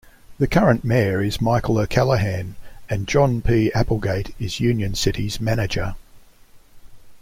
The current mayor is Michael O'Callaghan, and John P. Applegate is Union's City Manager.